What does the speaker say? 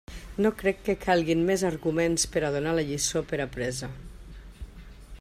No crec que calguin més arguments per a donar la lliçó per apresa.